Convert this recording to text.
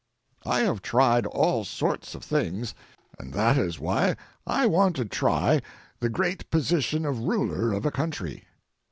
I have tried all sorts of things, and that is why I want to try the great position of ruler of a country.